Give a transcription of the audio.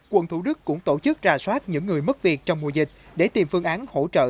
quận thủ đức cũng tổ chức ra soát những người mất việc trong mùa dịch để tìm phương án hỗ trợ